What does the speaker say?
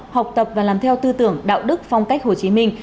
học tập và làm theo tư tưởng đạo đức phong cách hồ chí minh